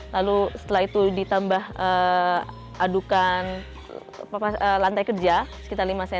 lalu setelah itu ditambah adukan lantai kerja sekitar lima cm